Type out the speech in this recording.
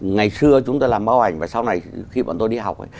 ngày xưa chúng tôi làm mau ảnh và sau này khi bọn tôi đi học